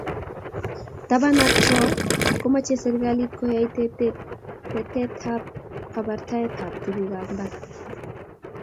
Taban ak Cho komachei serkalit koyai tetetab kabartaetabb tugukab mbar